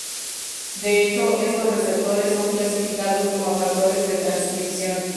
De hecho, estos receptores son clasificados como factores de transcripción.